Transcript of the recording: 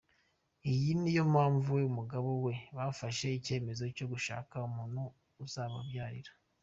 Iyi ni yo mpamvu we n’umugabo we bafashe icyemezo cyo gushaka umuntu uzababyarira.